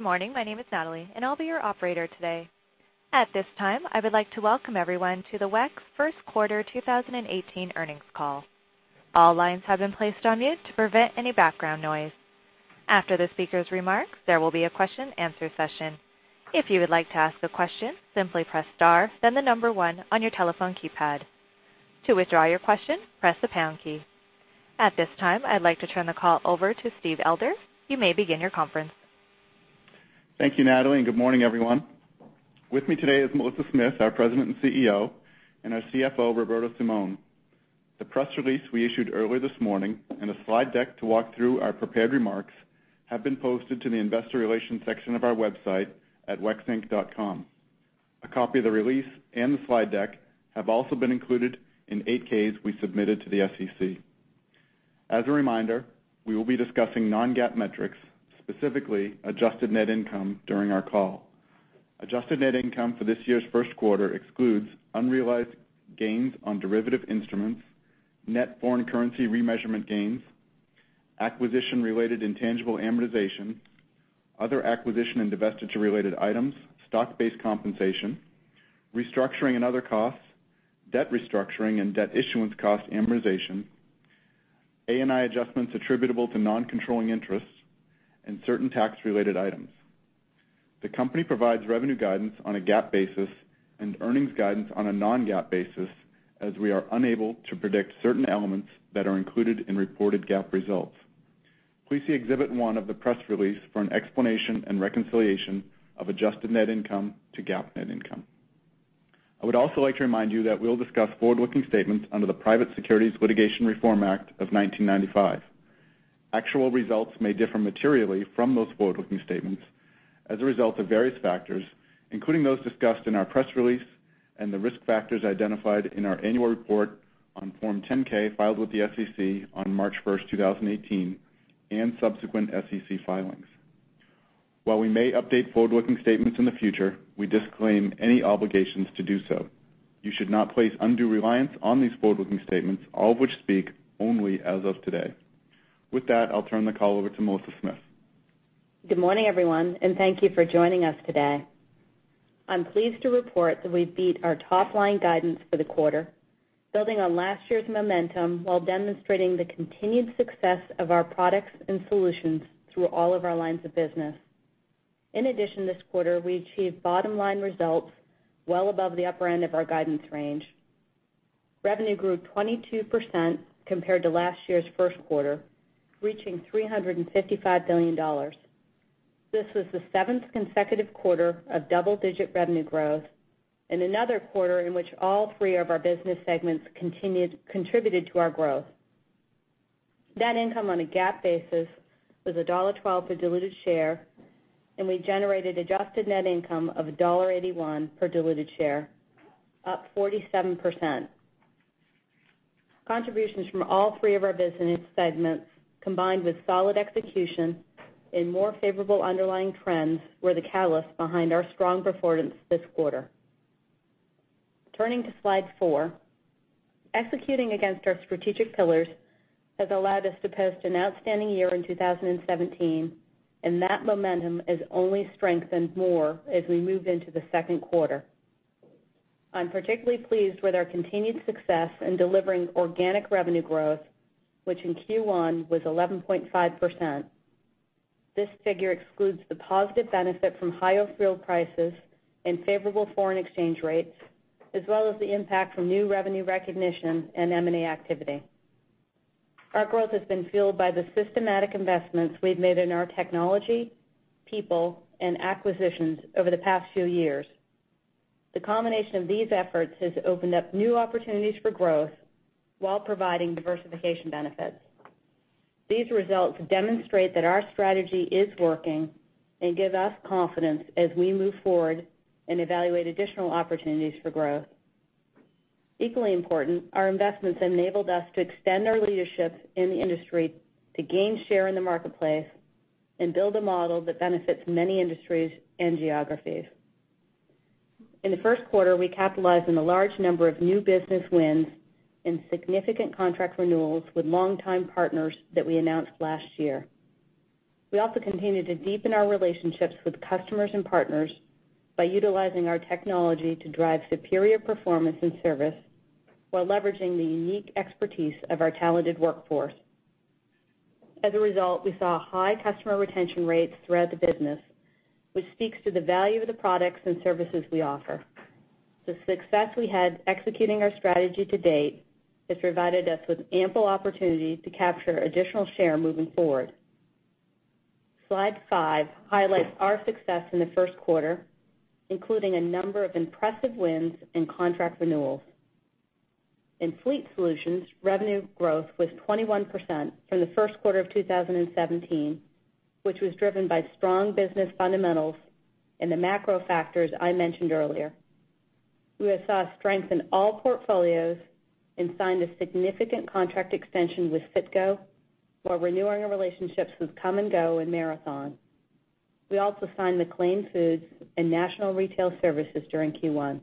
Good morning. My name is Natalie, and I'll be your operator today. At this time, I would like to welcome everyone to the WEX first quarter 2018 earnings call. All lines have been placed on mute to prevent any background noise. After the speaker's remarks, there will be a question and answer session. If you would like to ask a question, simply press star, then the number 1 on your telephone keypad. To withdraw your question, press the pound key. At this time, I'd like to turn the call over to Steven Elder. You may begin your conference. Thank you, Natalie. Good morning, everyone. With me today is Melissa Smith, our President and CEO, and our CFO, Roberto Simon. The press release we issued earlier this morning and a slide deck to walk through our prepared remarks have been posted to the investor relations section of our website at wexinc.com. A copy of the release and the slide deck have also been included in 8-Ks we submitted to the SEC. As a reminder, we will be discussing non-GAAP metrics, specifically adjusted net income, during our call. Adjusted net income for this year's first quarter excludes unrealized gains on derivative instruments, net foreign currency remeasurement gains, acquisition-related intangible amortization, other acquisition and divestiture-related items, stock-based compensation, restructuring and other costs, debt restructuring and debt issuance cost amortization, ANI adjustments attributable to non-controlling interests, and certain tax-related items. The company provides revenue guidance on a GAAP basis and earnings guidance on a non-GAAP basis, as we are unable to predict certain elements that are included in reported GAAP results. Please see Exhibit 1 of the press release for an explanation and reconciliation of adjusted net income to GAAP net income. I would also like to remind you that we'll discuss forward-looking statements under the Private Securities Litigation Reform Act of 1995. Actual results may differ materially from those forward-looking statements as a result of various factors, including those discussed in our press release and the risk factors identified in our annual report on Form 10-K filed with the SEC on March 1st, 2018, and subsequent SEC filings. While we may update forward-looking statements in the future, we disclaim any obligations to do so. You should not place undue reliance on these forward-looking statements, all of which speak only as of today. With that, I'll turn the call over to Melissa Smith. Good morning, everyone, and thank you for joining us today. I'm pleased to report that we beat our top-line guidance for the quarter, building on last year's momentum while demonstrating the continued success of our products and solutions through all of our lines of business. In addition, this quarter, we achieved bottom-line results well above the upper end of our guidance range. Revenue grew 22% compared to last year's first quarter, reaching $355 million. This was the seventh consecutive quarter of double-digit revenue growth and another quarter in which all three of our business segments contributed to our growth. Net income on a GAAP basis was $1.12 per diluted share, and we generated adjusted net income of $1.81 per diluted share, up 47%. Contributions from all three of our business segments, combined with solid execution and more favorable underlying trends, were the catalyst behind our strong performance this quarter. Turning to Slide 4, executing against our strategic pillars has allowed us to post an outstanding year in 2017, and that momentum has only strengthened more as we moved into the second quarter. I'm particularly pleased with our continued success in delivering organic revenue growth, which in Q1 was 11.5%. This figure excludes the positive benefit from higher fuel prices and favorable foreign exchange rates, as well as the impact from new revenue recognition and M&A activity. Our growth has been fueled by the systematic investments we've made in our technology, people, and acquisitions over the past few years. The combination of these efforts has opened up new opportunities for growth while providing diversification benefits. These results demonstrate that our strategy is working and give us confidence as we move forward and evaluate additional opportunities for growth. Equally important, our investments enabled us to extend our leadership in the industry to gain share in the marketplace and build a model that benefits many industries and geographies. In the first quarter, we capitalized on a large number of new business wins and significant contract renewals with longtime partners that we announced last year. We also continue to deepen our relationships with customers and partners by utilizing our technology to drive superior performance and service while leveraging the unique expertise of our talented workforce. As a result, we saw high customer retention rates throughout the business, which speaks to the value of the products and services we offer. The success we had executing our strategy to date has provided us with ample opportunity to capture additional share moving forward. Slide 5 highlights our success in the first quarter, including a number of impressive wins and contract renewals. In Fleet Solutions, revenue growth was 21% from the first quarter of 2017, which was driven by strong business fundamentals and the macro factors I mentioned earlier. We have saw strength in all portfolios and signed a significant contract extension with Citgo while renewing our relationships with Kum & Go and Marathon. We also signed with McLane Foods and National Retail Systems during Q1.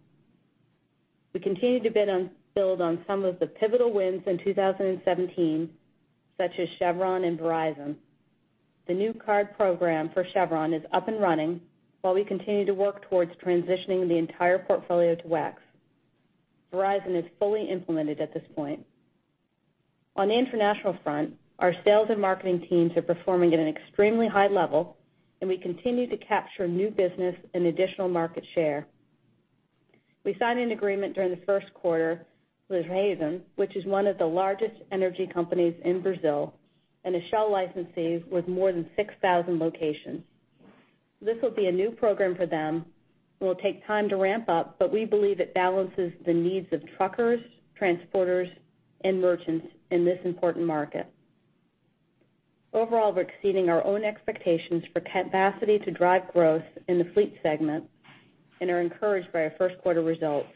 We continue to build on some of the pivotal wins in 2017, such as Chevron and Verizon. The new card program for Chevron is up and running while we continue to work towards transitioning the entire portfolio to WEX. Verizon is fully implemented at this point. On the international front, our sales and marketing teams are performing at an extremely high level, and we continue to capture new business and additional market share. We signed an agreement during the first quarter with Raízen, which is one of the largest energy companies in Brazil and a Shell licensee with more than 6,000 locations. This will be a new program for them and will take time to ramp up, but we believe it balances the needs of truckers, transporters, and merchants in this important market. Overall, we're exceeding our own expectations for capacity to drive growth in the Fleet Solutions segment and are encouraged by our first quarter results,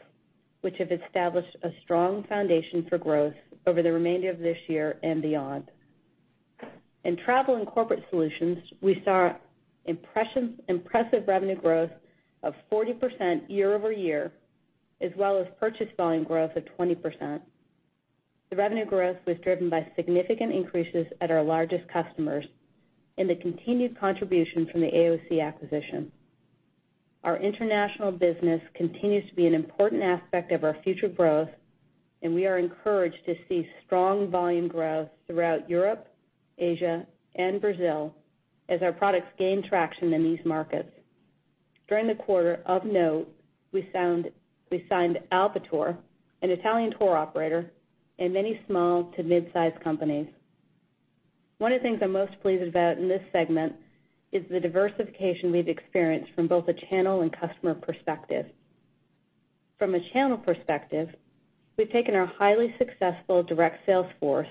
which have established a strong foundation for growth over the remainder of this year and beyond. In Travel and Corporate Solutions, we saw impressive revenue growth of 40% year-over-year, as well as purchase volume growth of 20%. The revenue growth was driven by significant increases at our largest customers and the continued contribution from the AOC acquisition. Our international business continues to be an important aspect of our future growth. We are encouraged to see strong volume growth throughout Europe, Asia, and Brazil as our products gain traction in these markets. During the quarter, of note, we signed Alpitour, an Italian tour operator, and many small to mid-size companies. One of the things I'm most pleased about in this segment is the diversification we've experienced from both a channel and customer perspective. From a channel perspective, we've taken our highly successful direct sales force,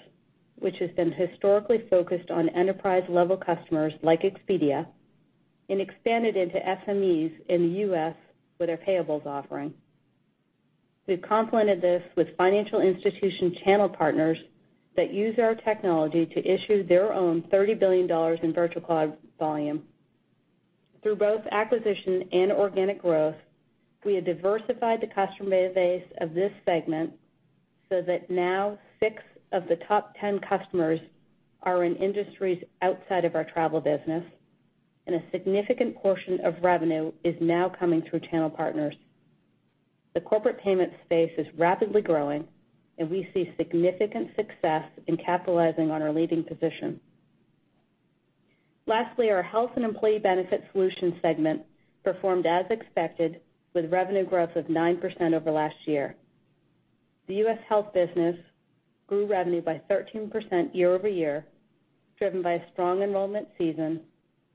which has been historically focused on enterprise-level customers like Expedia, and expanded into SMEs in the U.S. with our payables offering. We've complemented this with financial institution channel partners that use our technology to issue their own $30 billion in virtual cloud volume. Through both acquisition and organic growth, we have diversified the customer base of this segment so that now six of the top 10 customers are in industries outside of our travel business. A significant portion of revenue is now coming through channel partners. The corporate payment space is rapidly growing. We see significant success in capitalizing on our leading position. Lastly, our Health and Employee Benefit Solutions segment performed as expected with revenue growth of 9% over last year. The U.S. health business grew revenue by 13% year-over-year, driven by a strong enrollment season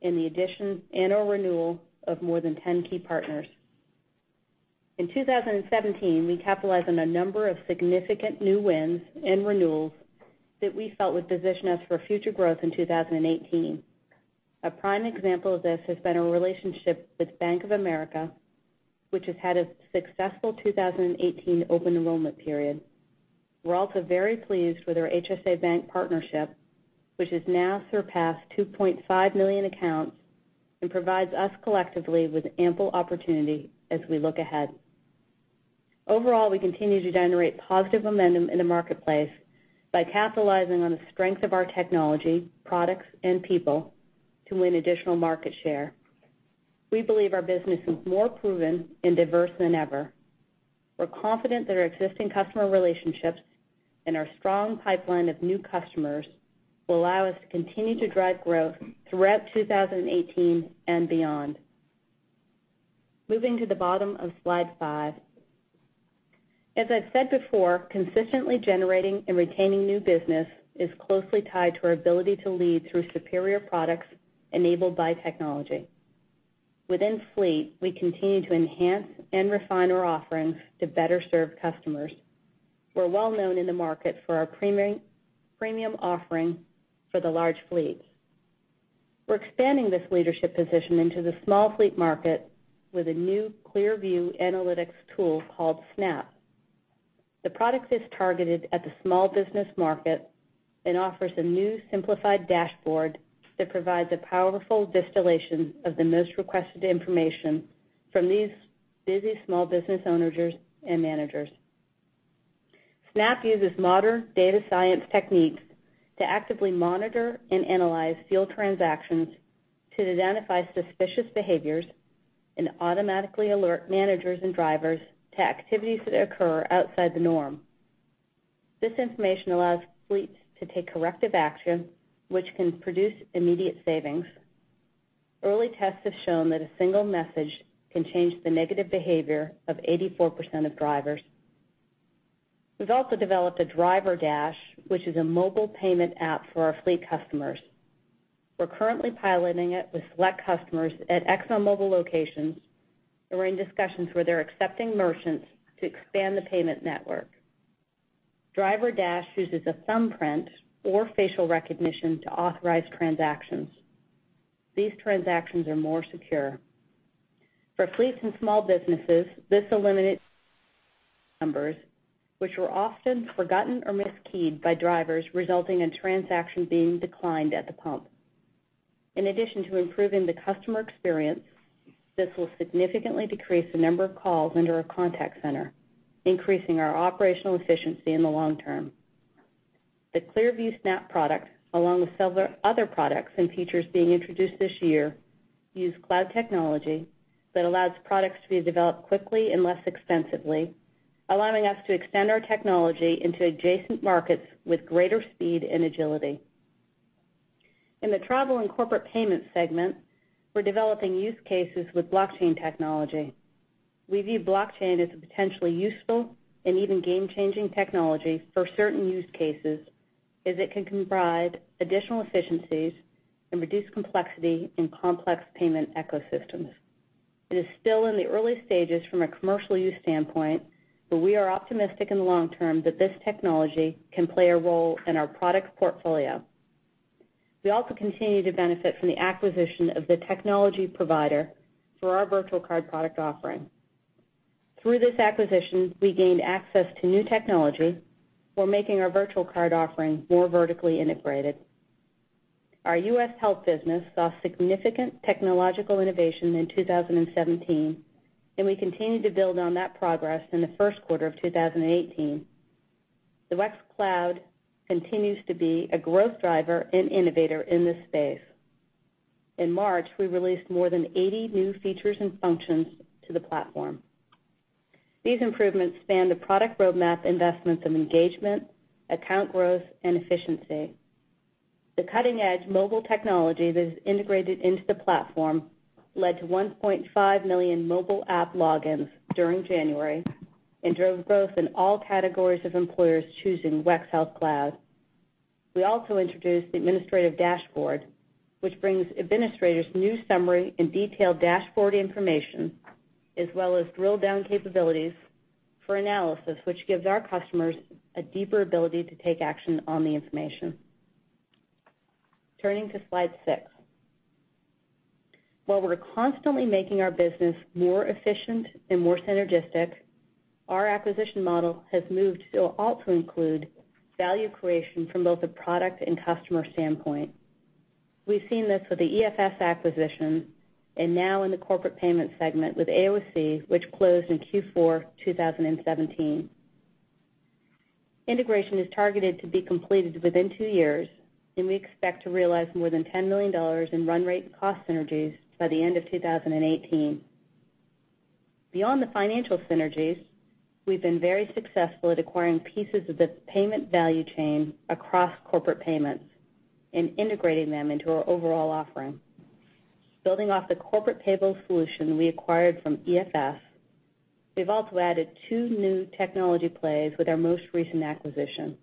and the addition and/or renewal of more than 10 key partners. In 2017, we capitalized on a number of significant new wins and renewals that we felt would position us for future growth in 2018. A prime example of this has been our relationship with Bank of America, which has had a successful 2018 open enrollment period. We're also very pleased with our HSA Bank partnership, which has now surpassed 2.5 million accounts and provides us collectively with ample opportunity as we look ahead. Overall, we continue to generate positive momentum in the marketplace by capitalizing on the strength of our technology, products, and people to win additional market share. We believe our business is more proven and diverse than ever. We're confident that our existing customer relationships and our strong pipeline of new customers will allow us to continue to drive growth throughout 2018 and beyond. Moving to the bottom of slide five. As I've said before, consistently generating and retaining new business is closely tied to our ability to lead through superior products enabled by technology. Within fleet, we continue to enhance and refine our offerings to better serve customers. We're well-known in the market for our premium offering for the large fleets. We're expanding this leadership position into the small fleet market with a new ClearView analytics tool called Snap. The product is targeted at the small business market and offers a new simplified dashboard that provides a powerful distillation of the most requested information from these busy small business owners and managers. Snap uses modern data science techniques to actively monitor and analyze field transactions to identify suspicious behaviors and automatically alert managers and drivers to activities that occur outside the norm. This information allows fleets to take corrective action, which can produce immediate savings. Early tests have shown that a single message can change the negative behavior of 84% of drivers. We've also developed a DriverDash, which is a mobile payment app for our fleet customers. We're currently piloting it with select customers at ExxonMobil locations. We're in discussions with their accepting merchants to expand the payment network. DriverDash uses a thumbprint or facial recognition to authorize transactions. These transactions are more secure. For fleets and small businesses, this eliminates numbers, which were often forgotten or miskeyed by drivers, resulting in transaction being declined at the pump. In addition to improving the customer experience, this will significantly decrease the number of calls into our contact center, increasing our operational efficiency in the long term. The ClearView Snap product, along with several other products and features being introduced this year, use cloud technology that allows products to be developed quickly and less expensively, allowing us to extend our technology into adjacent markets with greater speed and agility. In the travel and corporate payment segment, we're developing use cases with blockchain technology. We view blockchain as a potentially useful and even game-changing technology for certain use cases, as it can provide additional efficiencies and reduce complexity in complex payment ecosystems. It is still in the early stages from a commercial use standpoint. We are optimistic in the long term that this technology can play a role in our product portfolio. We also continue to benefit from the acquisition of the technology provider for our virtual card product offering. Through this acquisition, we gained access to new technology for making our virtual card offering more vertically integrated. Our U.S. health business saw significant technological innovation in 2017. We continued to build on that progress in the first quarter of 2018. The WEX cloud continues to be a growth driver and innovator in this space. In March, we released more than 80 new features and functions to the platform. These improvements span the product roadmap investments of engagement, account growth, and efficiency. The cutting-edge mobile technology that is integrated into the platform led to 1.5 million mobile app logins during January. Drove growth in all categories of employers choosing WEX Health Cloud. We also introduced the administrative dashboard, which brings administrators new summary and detailed dashboard information, as well as drill-down capabilities for analysis, which gives our customers a deeper ability to take action on the information. Turning to slide six. While we're constantly making our business more efficient and more synergistic, our acquisition model has moved to also include value creation from both a product and customer standpoint. We've seen this with the EFS acquisition and now in the corporate payment segment with AOC, which closed in Q4 2017. Integration is targeted to be completed within two years. We expect to realize more than $10 million in run rate cost synergies by the end of 2018. Beyond the financial synergies, we've been very successful at acquiring pieces of the payment value chain across corporate payments and integrating them into our overall offering. Building off the corporate payable solution we acquired from EFS, we've also added two new technology plays with our most recent acquisition.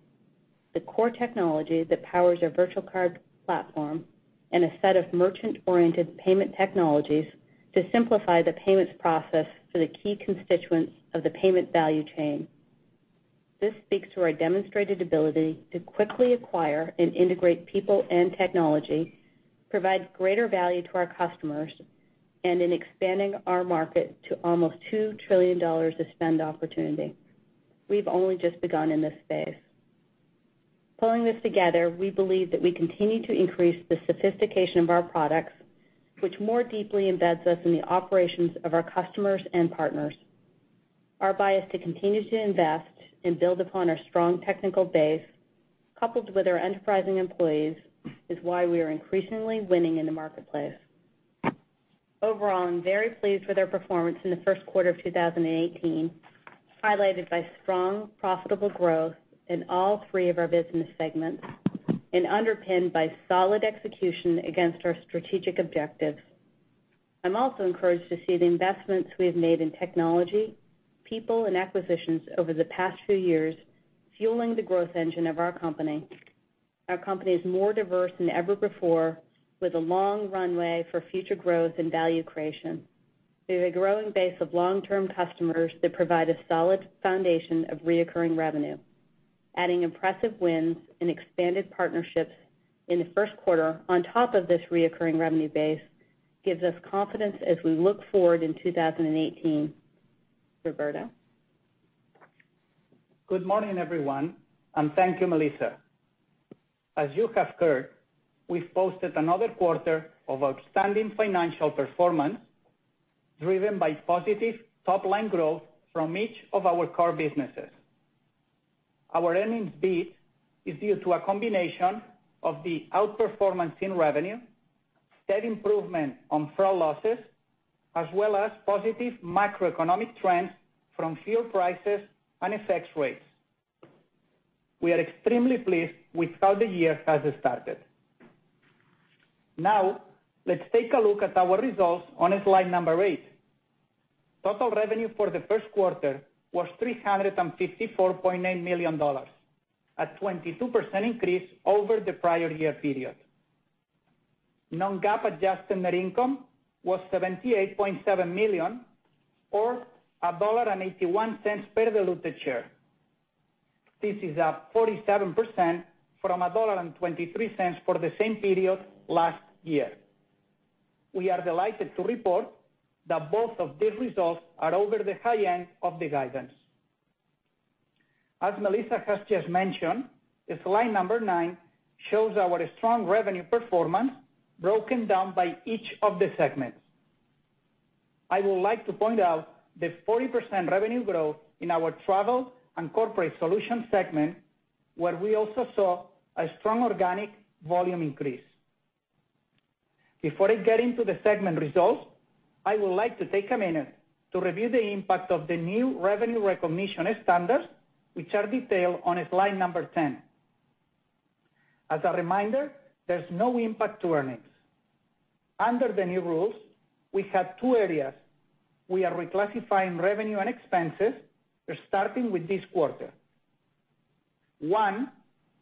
The core technology that powers our virtual card platform and a set of merchant-oriented payment technologies to simplify the payments process for the key constituents of the payment value chain. This speaks to our demonstrated ability to quickly acquire and integrate people and technology, provide greater value to our customers, and in expanding our market to almost $2 trillion of spend opportunity. We've only just begun in this space. Pulling this together, we believe that we continue to increase the sophistication of our products, which more deeply embeds us in the operations of our customers and partners. Our bias to continue to invest and build upon our strong technical base, coupled with our enterprising employees, is why we are increasingly winning in the marketplace. Overall, I'm very pleased with our performance in the first quarter of 2018, highlighted by strong profitable growth in all three of our business segments and underpinned by solid execution against our strategic objectives. I'm also encouraged to see the investments we have made in technology, people, and acquisitions over the past few years fueling the growth engine of our company. Our company is more diverse than ever before, with a long runway for future growth and value creation. We have a growing base of long-term customers that provide a solid foundation of recurring revenue. Adding impressive wins and expanded partnerships in the first quarter on top of this recurring revenue base gives us confidence as we look forward in 2018. Roberto? Good morning, everyone, and thank you, Melissa. As you have heard, we've posted another quarter of outstanding financial performance driven by positive top-line growth from each of our core businesses. Our earnings beat is due to a combination of the outperformance in revenue, steady improvement on fraud losses, as well as positive macroeconomic trends from fuel prices and FX rates. We are extremely pleased with how the year has started. Let's take a look at our results on slide number eight. Total revenue for the first quarter was $354.9 million, a 22% increase over the prior year period. Non-GAAP adjusted net income was $78.7 million, or $1.81 per diluted share. This is up 47% from $1.23 for the same period last year. We are delighted to report that both of these results are over the high end of the guidance. As Melissa has just mentioned, slide number nine shows our strong revenue performance broken down by each of the segments. I would like to point out the 40% revenue growth in our travel and corporate solution segment, where we also saw a strong organic volume increase. Before I get into the segment results, I would like to take a minute to review the impact of the new revenue recognition standards, which are detailed on slide number 10. As a reminder, there is no impact to earnings. Under the new rules, we have two areas. We are reclassifying revenue and expenses, starting with this quarter. One,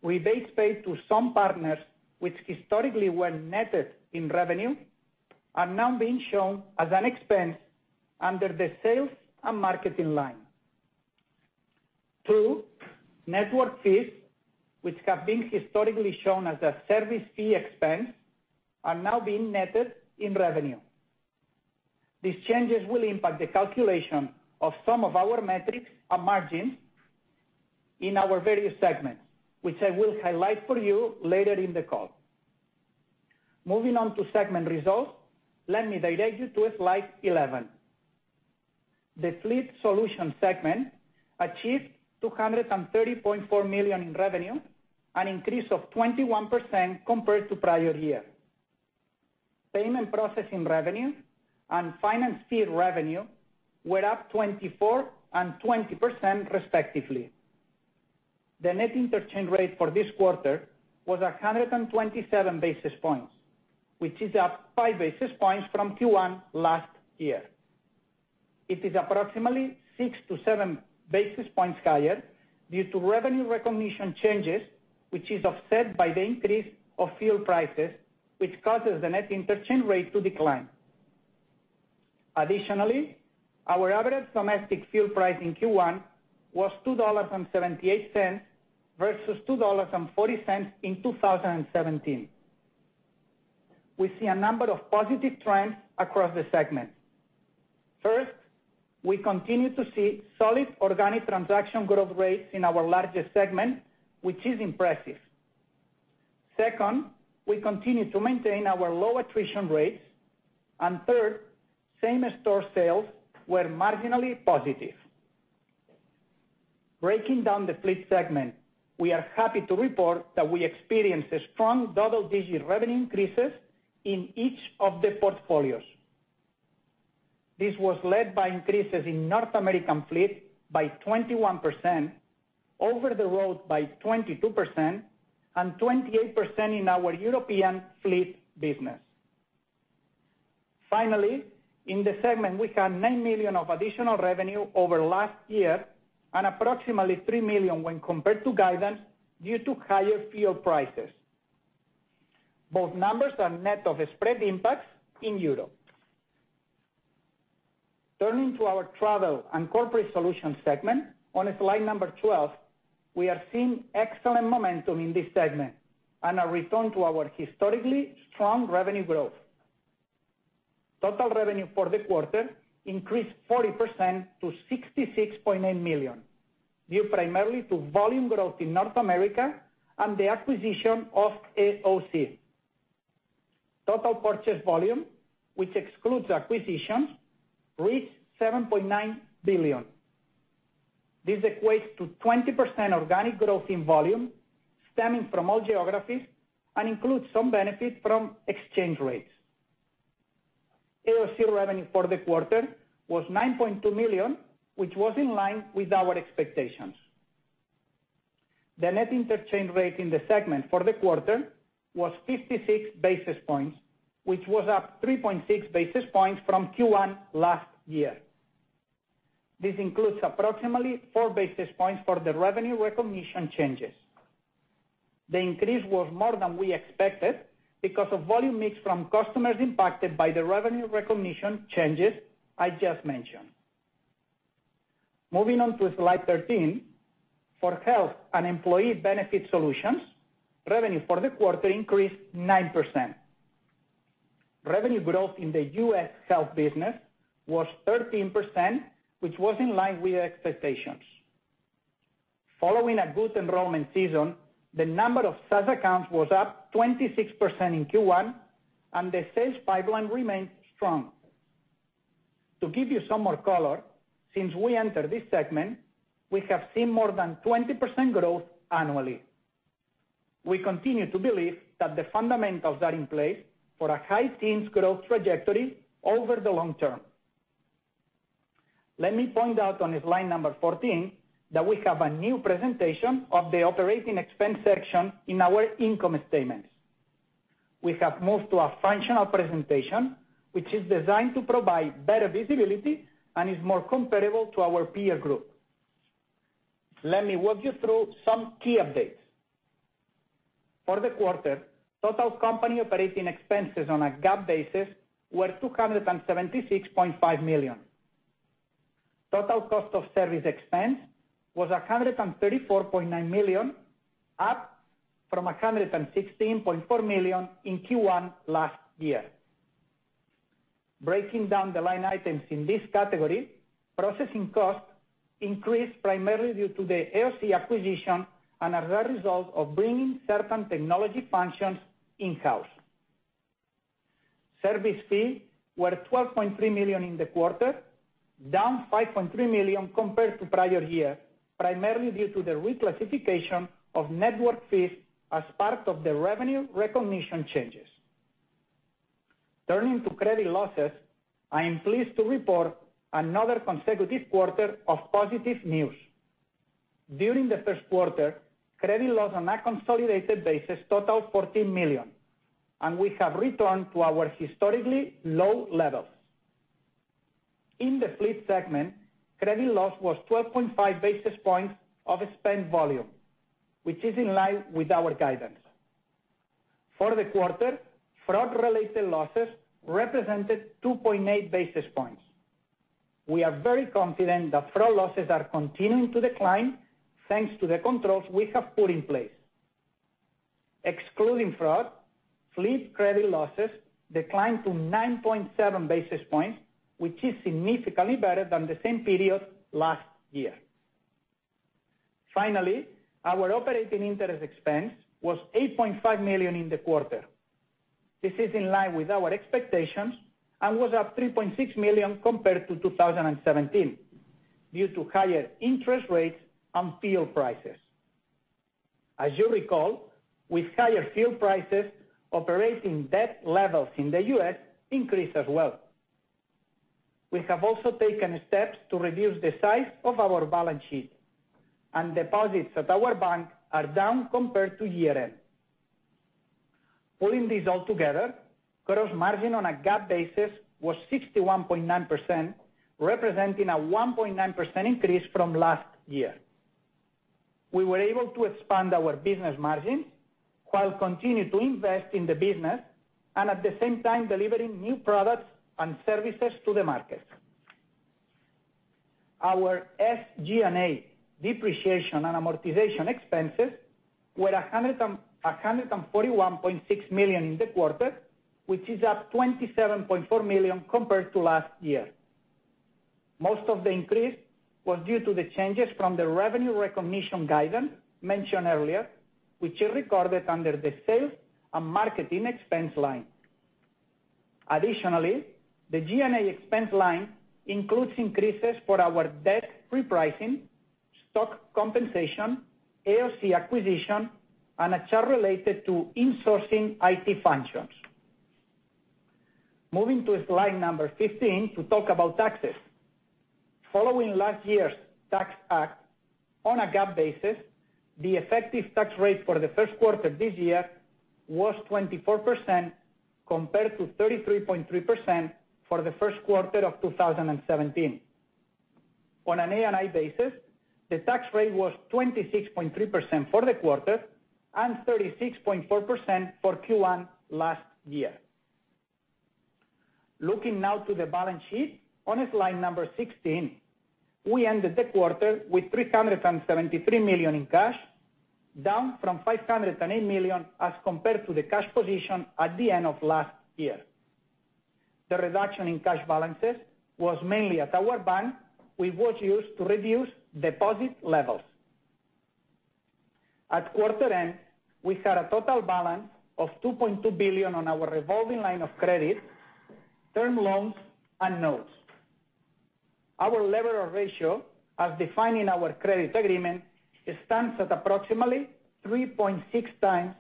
rebates paid to some partners which historically were netted in revenue are now being shown as an expense under the sales and marketing line. Two, network fees, which have been historically shown as a service fee expense, are now being netted in revenue. Moving on to segment results, let me direct you to slide 11. The Fleet Solutions segment achieved $230.4 million in revenue, an increase of 21% compared to prior year. Payment processing revenue and finance fee revenue were up 24% and 20% respectively. The net interchange rate for this quarter was 127 basis points, which is up five basis points from Q1 last year. It is approximately six to seven basis points higher due to revenue recognition changes, which is offset by the increase of fuel prices, which causes the net interchange rate to decline. Additionally, our average domestic fuel price in Q1 was $2.78 versus $2.40 in 2017. We see a number of positive trends across the segment. First, we continue to see solid organic transaction growth rates in our largest segment, which is impressive. Second, we continue to maintain our low attrition rates. Third, same-store sales were marginally positive. Breaking down the Fleet segment, we are happy to report that we experienced strong double-digit revenue increases in each of the portfolios. This was led by increases in North American Fleet by 21%, over-the-road by 22%, and 28% in our European fleet business. Finally, in the segment, we had $9 million of additional revenue over last year and approximately $3 million when compared to guidance due to higher fuel prices. Both numbers are net of spread impacts in Europe. Turning to our travel and corporate solutions segment, on slide number 12, we are seeing excellent momentum in this segment and a return to our historically strong revenue growth. Total revenue for the quarter increased 40% to $66.8 million, due primarily to volume growth in North America and the acquisition of AOC. Total purchase volume, which excludes acquisitions, reached $7.9 billion. This equates to 20% organic growth in volume stemming from all geographies and includes some benefit from exchange rates. AOC revenue for the quarter was $9.2 million, which was in line with our expectations. The net interchange rate in the segment for the quarter was 56 basis points, which was up 3.6 basis points from Q1 last year. This includes approximately four basis points for the revenue recognition changes. The increase was more than we expected because of volume mix from customers impacted by the revenue recognition changes I just mentioned. Moving on to slide 13. For Health and Employee Benefit Solutions, revenue for the quarter increased 9%. Revenue growth in the U.S. health business was 13%, which was in line with expectations. Following a good enrollment season, the number of such accounts was up 26% in Q1, and the sales pipeline remained strong. To give you some more color, since we entered this segment, we have seen more than 20% growth annually. We continue to believe that the fundamentals are in place for a high teens growth trajectory over the long term. Let me point out on slide number 14 that we have a new presentation of the operating expense section in our income statements. We have moved to a functional presentation, which is designed to provide better visibility and is more comparable to our peer group. Let me walk you through some key updates. For the quarter, total company operating expenses on a GAAP basis were $276.5 million. Total cost of service expense was $134.9 million, up from $116.4 million in Q1 last year. Breaking down the line items in this category, processing costs increased primarily due to the AOC acquisition and as a result of bringing certain technology functions in-house. Service fee were $12.3 million in the quarter, down $5.3 million compared to prior year, primarily due to the reclassification of network fees as part of the revenue recognition changes. Turning to credit losses, I am pleased to report another consecutive quarter of positive news. During the first quarter, credit loss on a consolidated basis total $14 million, and we have returned to our historically low levels. In the fleet segment, credit loss was 12.5 basis points of spent volume, which is in line with our guidance. For the quarter, fraud-related losses represented 2.8 basis points. We are very confident that fraud losses are continuing to decline, thanks to the controls we have put in place. Excluding fraud, fleet credit losses declined to 9.7 basis points, which is significantly better than the same period last year. Finally, our operating interest expense was $8.5 million in the quarter. This is in line with our expectations and was up $3.6 million compared to 2017 due to higher interest rates and fuel prices. As you recall, with higher fuel prices, operating debt levels in the U.S. increased as well. We have also taken steps to reduce the size of our balance sheet, and deposits at our bank are down compared to year-end. Pulling these all together, gross margin on a GAAP basis was 61.9%, representing a 1.9% increase from last year. We were able to expand our business margins while continuing to invest in the business and at the same time delivering new products and services to the market. Our SG&A depreciation and amortization expenses were $141.6 million in the quarter, which is up $27.4 million compared to last year. Most of the increase was due to the changes from the revenue recognition guidance mentioned earlier, which is recorded under the sales and marketing expense line. Additionally, the G&A expense line includes increases for our debt repricing, stock compensation, AOC acquisition, and a charge related to insourcing IT functions. Moving to slide number 15 to talk about taxes. Following last year's Tax Act, on a GAAP basis, the effective tax rate for the first quarter this year was 24% compared to 33.3% for the first quarter of 2017. On an ANI basis, the tax rate was 26.3% for the quarter and 36.4% for Q1 last year. Looking now to the balance sheet on slide number 16. We ended the quarter with $373 million in cash, down from $508 million as compared to the cash position at the end of last year. The reduction in cash balances was mainly at our bank, which was used to reduce deposit levels. At quarter end, we had a total balance of $2.2 billion on our revolving line of credit, term loans, and notes. Our leverage ratio, as defined in our credit agreement, stands at approximately 3.6 times,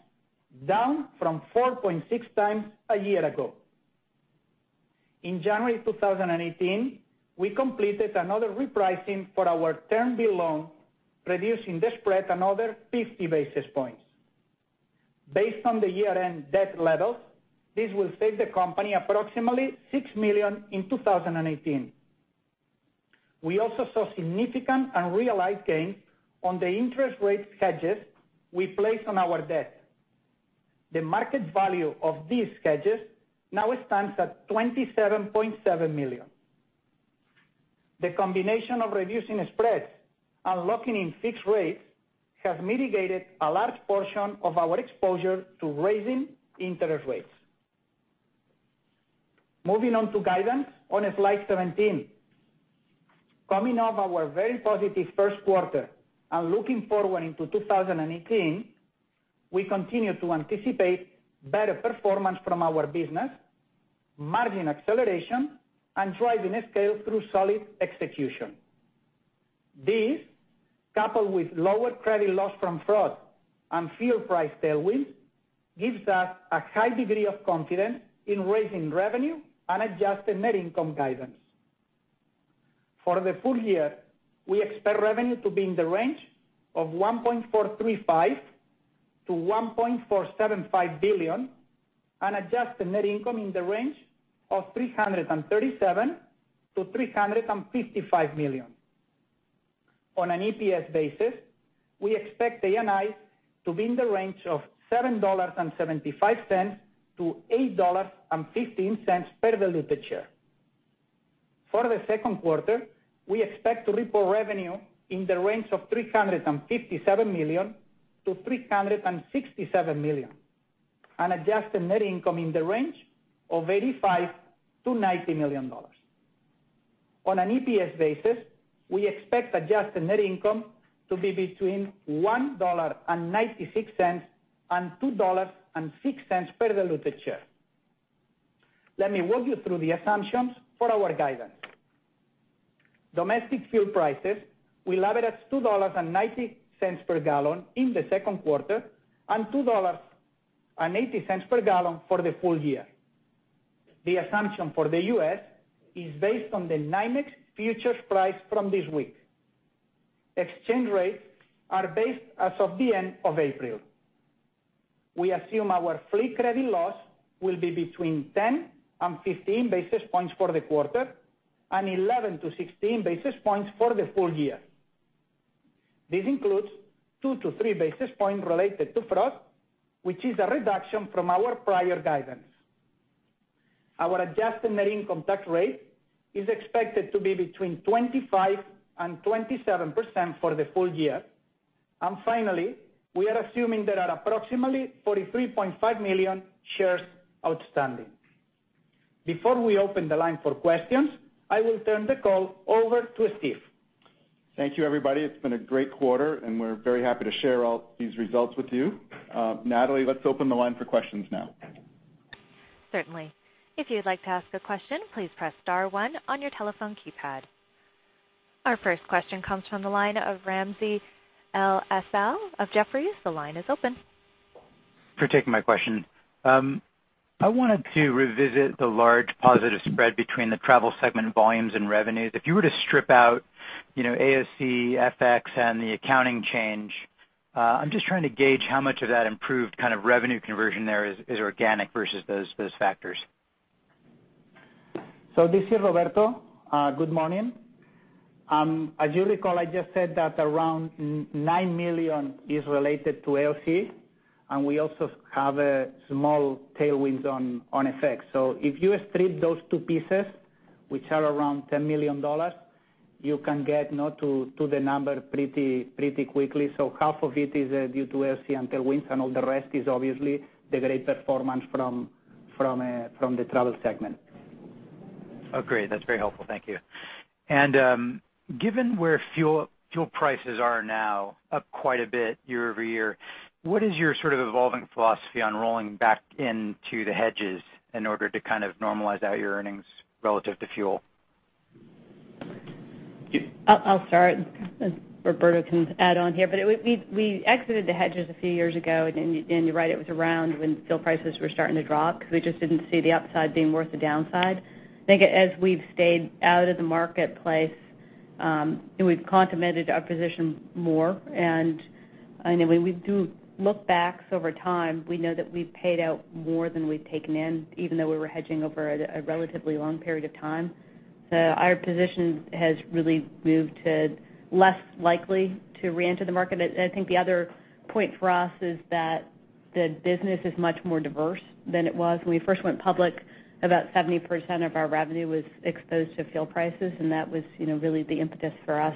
down from 4.6 times a year ago. In January 2018, we completed another repricing for our term B loan, reducing the spread another 50 basis points. Based on the year-end debt levels, this will save the company approximately $6 million in 2018. We also saw significant unrealized gains on the interest rate hedges we placed on our debt. The market value of these hedges now stands at $27.7 million. The combination of reducing spreads and locking in fixed rates has mitigated a large portion of our exposure to raising interest rates. Moving on to guidance on slide 17. Coming off our very positive first quarter and looking forward into 2018, we continue to anticipate better performance from our business, margin acceleration, and driving scale through solid execution. This, coupled with lower credit loss from fraud and fuel price tailwind, gives us a high degree of confidence in raising revenue and adjusted net income guidance. For the full year, we expect revenue to be in the range of $1.435 billion-$1.475 billion, and adjusted net income in the range of $337 million-$355 million. On an EPS basis, we expect ANI to be in the range of $7.75-$8.15 per diluted share. For the second quarter, we expect to report revenue in the range of $357 million-$367 million, and adjusted net income in the range of $85 million-$90 million. On an EPS basis, we expect adjusted net income to be between $1.96 and $2.06 per diluted share. Let me walk you through the assumptions for our guidance. Domestic fuel prices will average $2.90 per gallon in the second quarter and $2.80 per gallon for the full year. The assumption for the U.S. is based on the NYMEX futures price from this week. Exchange rates are based as of the end of April. We assume our fleet credit loss will be between 10 and 15 basis points for the quarter, and 11 basis points-16 basis points for the full year. This includes 2 basis points-3 basis points related to fraud, which is a reduction from our prior guidance. Our adjusted net income tax rate is expected to be between 25% and 27% for the full year. Finally, we are assuming there are approximately 43.5 million shares outstanding. Before we open the line for questions, I will turn the call over to Steve. Thank you everybody. It's been a great quarter, and we're very happy to share all these results with you. Natalie, let's open the line for questions now. Certainly. If you'd like to ask a question, please press star one on your telephone keypad. Our first question comes from the line of Ramsey El-Assal of Jefferies. The line is open. Thank you for taking my question. I wanted to revisit the large positive spread between the travel segment volumes and revenues. If you were to strip out AOC, FX, and the accounting change, I'm just trying to gauge how much of that improved kind of revenue conversion there is organic versus those factors. This is Roberto. Good morning. As you recall, I just said that around $9 million is related to LC, and we also have a small tailwind on FX. If you strip those two pieces, which are around $10 million, you can get now to the number pretty quickly. Half of it is due to LC and tailwinds, and all the rest is obviously the great performance from the travel segment. Oh, great. That's very helpful. Thank you. Given where fuel prices are now, up quite a bit year-over-year, what is your sort of evolving philosophy on rolling back into the hedges in order to kind of normalize out your earnings relative to fuel? I'll start, and Roberto can add on here. We exited the hedges a few years ago, and you're right, it was around when fuel prices were starting to drop because we just didn't see the upside being worth the downside. As we've stayed out of the marketplace, we've contemplated our position more, and when we do look backs over time, we know that we've paid out more than we've taken in, even though we were hedging over a relatively long period of time. Our position has really moved to less likely to re-enter the market. I think the other point for us is that the business is much more diverse than it was. When we first went public, about 70% of our revenue was exposed to fuel prices, and that was really the impetus for us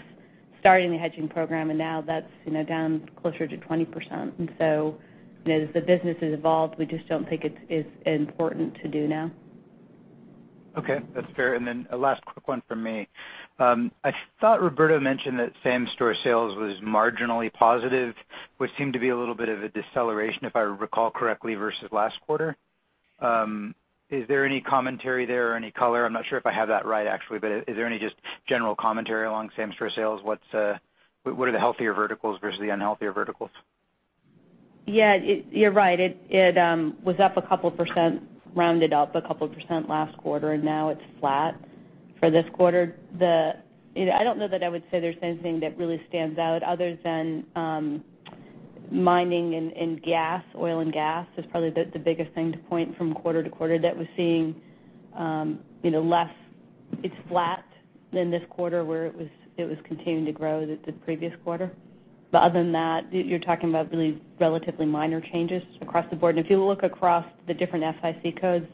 starting the hedging program. Now that's down closer to 20%. As the business has evolved, we just don't think it's important to do now. Okay. That's fair. A last quick one from me. I thought Roberto mentioned that same-store sales was marginally positive, which seemed to be a little bit of a deceleration, if I recall correctly, versus last quarter. Is there any commentary there or any color? I'm not sure if I have that right, actually, but is there any just general commentary along same-store sales? What are the healthier verticals versus the unhealthier verticals? Yeah. You're right. It was up a couple %, rounded up a couple % last quarter. Now it's flat for this quarter. I don't know that I would say there's anything that really stands out other than mining and gas. Oil and gas is probably the biggest thing to point from quarter to quarter that we're seeing it's flat in this quarter where it was continuing to grow the previous quarter. Other than that, you're talking about really relatively minor changes across the board. If you look across the different SIC codes,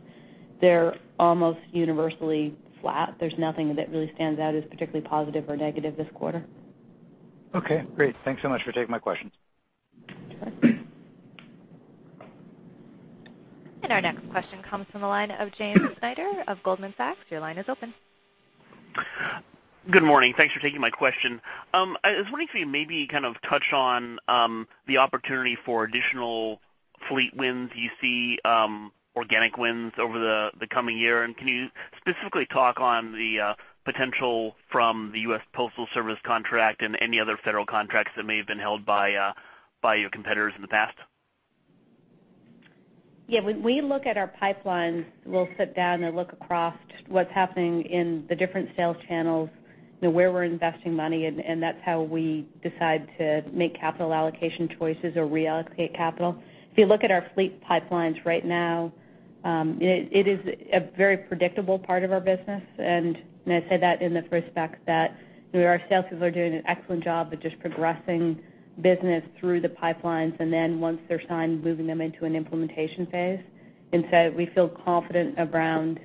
they're almost universally flat. There's nothing that really stands out as particularly positive or negative this quarter. Okay, great. Thanks so much for taking my questions. Sure. Our next question comes from the line of James Schneider of Goldman Sachs. Your line is open. Good morning. Thanks for taking my question. I was wondering if you maybe kind of touch on the opportunity for additional fleet wins you see, organic wins over the coming year. Can you specifically talk on the potential from the U.S. Postal Service contract and any other federal contracts that may have been held by your competitors in the past? Yeah. When we look at our pipelines, we'll sit down and look across what's happening in the different sales channels, where we're investing money, and that's how we decide to make capital allocation choices or reallocate capital. If you look at our Fleet Solutions pipelines right now, it is a very predictable part of our business, and I say that in the respect that our sales teams are doing an excellent job of just progressing business through the pipelines, and then once they're signed, moving them into an implementation phase. We feel confident around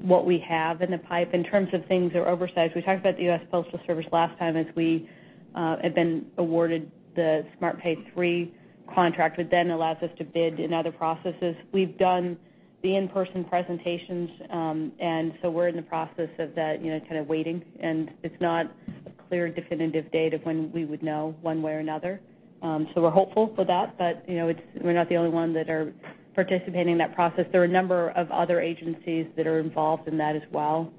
what we have in the pipe in terms of things that are oversized. We talked about the United States Postal Service last time as we had been awarded the SmartPay 3 contract, which then allows us to bid in other processes. We've done the in-person presentations, we're in the process of that, kind of waiting. It's not a clear, definitive date of when we would know one way or another. We're hopeful for that, but we're not the only one that are participating in that process. There are a number of other agencies that are involved in that as well.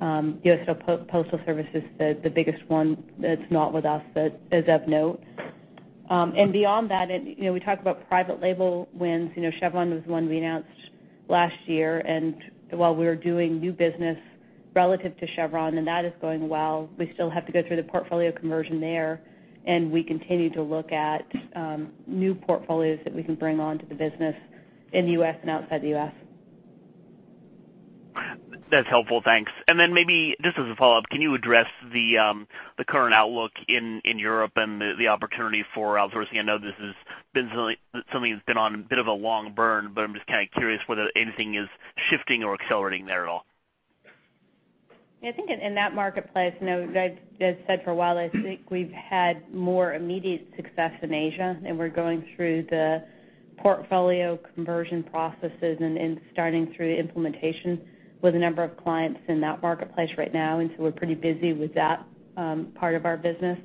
United States Postal Service is the biggest one that's not with us that is of note. Beyond that, we talked about private label wins. Chevron was one we announced last year, and while we were doing new business relative to Chevron, and that is going well, we still have to go through the portfolio conversion there, and we continue to look at new portfolios that we can bring onto the business in the U.S. and outside the U.S. That's helpful. Thanks. Maybe just as a follow-up, can you address the current outlook in Europe and the opportunity for outsourcing? I know this is something that's been on a bit of a long burn, but I'm just kind of curious whether anything is shifting or accelerating there at all. Yeah, I think in that marketplace, as I've said for a while, I think we've had more immediate success in Asia, we're going through the portfolio conversion processes and starting through the implementation with a number of clients in that marketplace right now, we're pretty busy with that part of our business.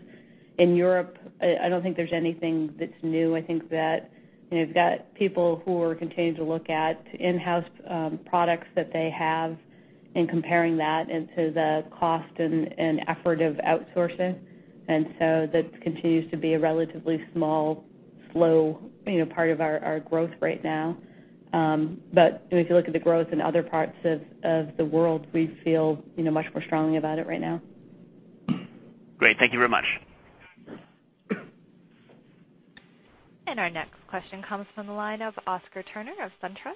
In Europe, I don't think there's anything that's new. I think that you've got people who are continuing to look at in-house products that they have and comparing that into the cost and effort of outsourcing. That continues to be a relatively small, slow part of our growth right now. If you look at the growth in other parts of the world, we feel much more strongly about it right now. Great. Thank you very much. Our next question comes from the line of Oscar Turner of SunTrust.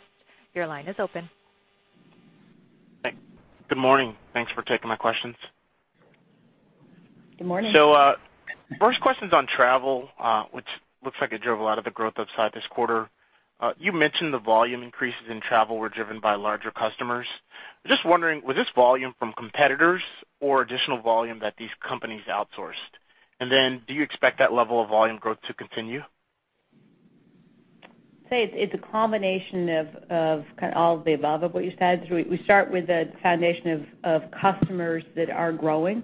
Your line is open. Good morning. Thanks for taking my questions. Good morning. First question's on travel, which looks like it drove a lot of the growth upside this quarter. You mentioned the volume increases in travel were driven by larger customers. I'm just wondering, was this volume from competitors or additional volume that these companies outsourced? Do you expect that level of volume growth to continue? I'd say it's a combination of kind of all of the above of what you said. We start with a foundation of customers that are growing,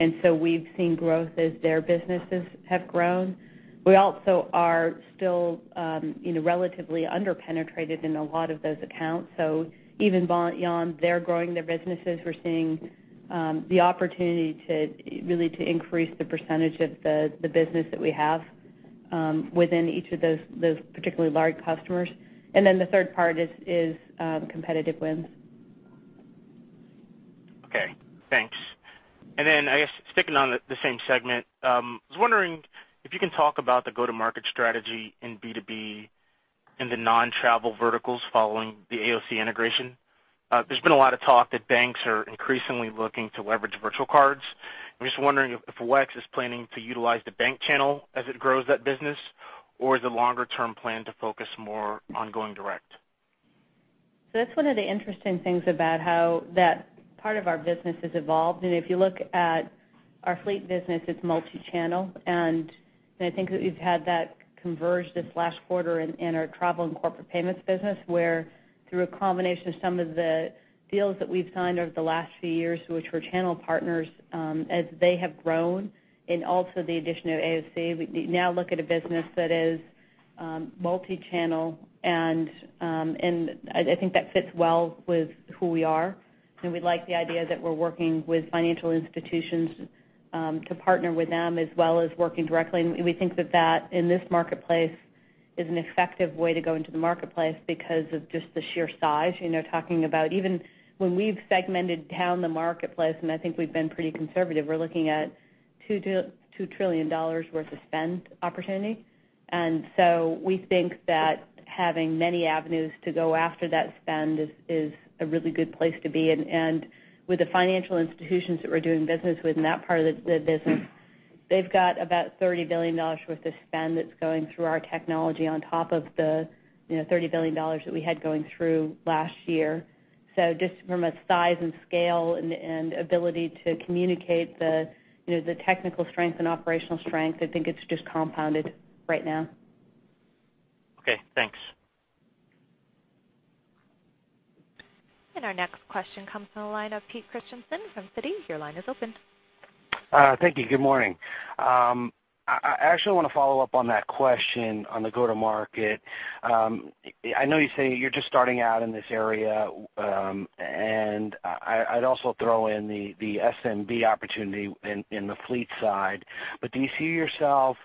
we've seen growth as their businesses have grown. We also are still relatively under-penetrated in a lot of those accounts. Even beyond their growing their businesses, we're seeing the opportunity really to increase the percentage of the business that we have within each of those particularly large customers. The third part is competitive wins. Okay, thanks. I guess sticking on the same segment, I was wondering if you can talk about the go-to-market strategy in B2B in the non-travel verticals following the AOC integration. There's been a lot of talk that banks are increasingly looking to leverage virtual cards. I'm just wondering if WEX is planning to utilize the bank channel as it grows that business, or is the longer-term plan to focus more on going direct? That's one of the interesting things about how that part of our business has evolved, if you look at our fleet business, it's multi-channel, I think that we've had that converge this last quarter in our travel and corporate payments business, where through a combination of some of the deals that we've signed over the last few years, which were channel partners, as they have grown, also the addition of AOC, we now look at a business that is multi-channel, I think that fits well with who we are. We like the idea that we're working with financial institutions to partner with them as well as working directly. We think that that, in this marketplace, is an effective way to go into the marketplace because of just the sheer size. Talking about even when we've segmented down the marketplace, and I think we've been pretty conservative, we're looking at $2 trillion worth of spend opportunity. We think that having many avenues to go after that spend is a really good place to be. With the financial institutions that we're doing business with in that part of the business, they've got about $30 billion worth of spend that's going through our technology on top of the $30 billion that we had going through last year. Just from a size and scale and ability to communicate the technical strength and operational strength, I think it's just compounded right now. Okay, thanks. Our next question comes from the line of Peter Christiansen from Citi. Your line is open. Thank you. Good morning. I actually want to follow up on that question on the go-to-market. I know you say you're just starting out in this area, and I'd also throw in the SMB opportunity in the fleet side. Do you see yourself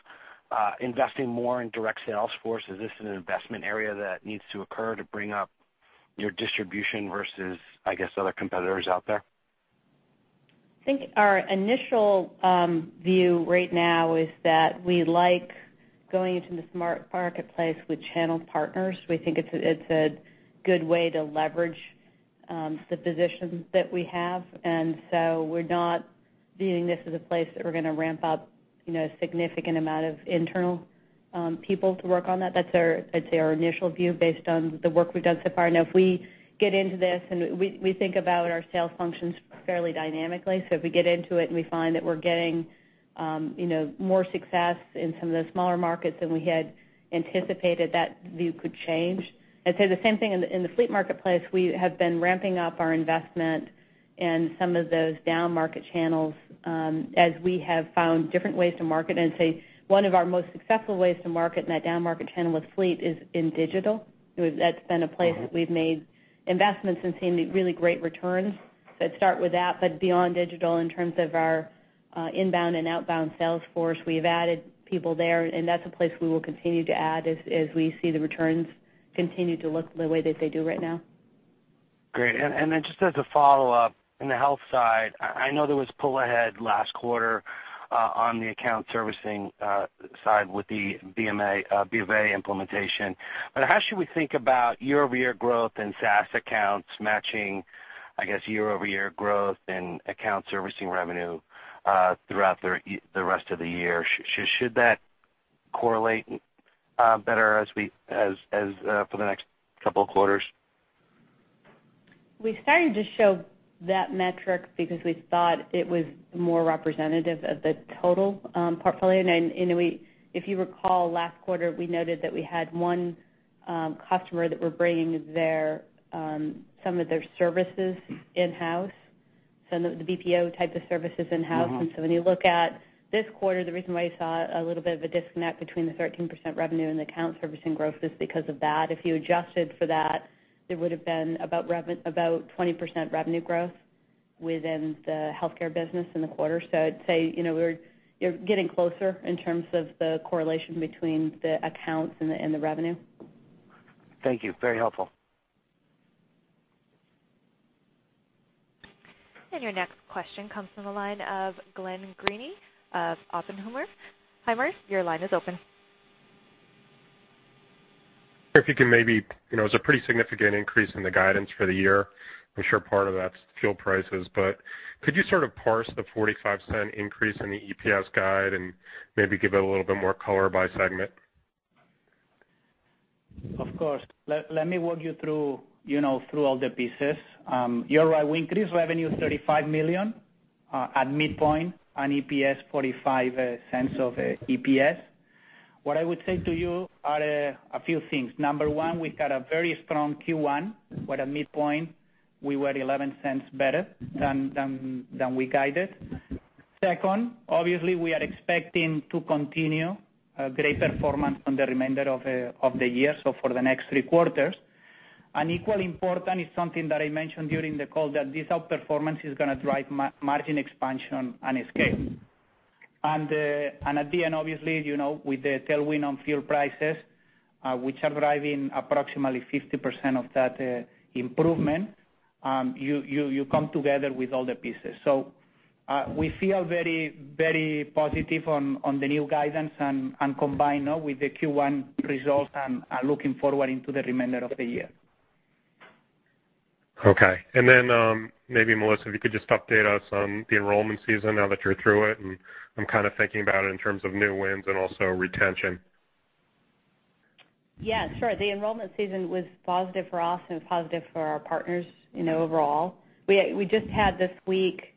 investing more in direct sales force? Is this an investment area that needs to occur to bring up your distribution versus, I guess, other competitors out there? I think our initial view right now is that we like going into the smart marketplace with channel partners. We think it's a good way to leverage the position that we have. We're not viewing this as a place that we're going to ramp up a significant amount of internal people to work on that. That's our initial view based on the work we've done so far. If we get into this, and we think about our sales functions fairly dynamically, so if we get into it and we find that we're getting more success in some of the smaller markets than we had anticipated, that view could change. I'd say the same thing in the fleet marketplace. We have been ramping up our investment in some of those downmarket channels as we have found different ways to market. I'd say one of our most successful ways to market in that downmarket channel with fleet is in digital. That's been a place that we've made investments and seen really great returns. I'd start with that, beyond digital, in terms of our inbound and outbound sales force, we've added people there, and that's a place we will continue to add as we see the returns continue to look the way that they do right now. Great. Just as a follow-up, in the health side, I know there was pull ahead last quarter on the account servicing side with the BofA implementation. How should we think about year-over-year growth in SaaS accounts matching, I guess, year-over-year growth in account servicing revenue throughout the rest of the year? Should that correlate better for the next couple of quarters? We started to show that metric because we thought it was more representative of the total portfolio. If you recall, last quarter, we noted that we had one customer that we're bringing some of their services in-house, some of the BPO type of services in-house. When you look at this quarter, the reason why you saw a little bit of a disconnect between the 13% revenue and account servicing growth is because of that. If you adjusted for that, it would've been about 20% revenue growth within the healthcare business in the quarter. I'd say, we're getting closer in terms of the correlation between the accounts and the revenue. Thank you. Very helpful. Your next question comes from the line of Glenn Greene of Oppenheimer & Co. Inc. Hi, Mark, your line is open. It was a pretty significant increase in the guidance for the year. I'm sure part of that's fuel prices, but could you sort of parse the $0.45 increase in the EPS guide and maybe give it a little bit more color by segment? Let me walk you through all the pieces. You're right, we increased revenue $35 million at midpoint on EPS $0.45 of EPS. What I would say to you are a few things. Number 1, we've got a very strong Q1 with a midpoint. We were $0.11 better than we guided. Second, obviously, we are expecting to continue great performance on the remainder of the year, so for the next 3 quarters. Equally important is something that I mentioned during the call, that this outperformance is going to drive margin expansion and scale. At the end, obviously, with the tailwind on fuel prices, which are driving approximately 50% of that improvement, you come together with all the pieces. We feel very positive on the new guidance and combined now with the Q1 results and are looking forward into the remainder of the year. Okay. Maybe Melissa, if you could just update us on the enrollment season now that you're through it, I'm kind of thinking about it in terms of new wins and also retention. Yeah, sure. The enrollment season was positive for us and positive for our partners overall. We just had this week